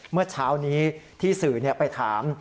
เมื่อเช้านี้ที่สื่อไปถาม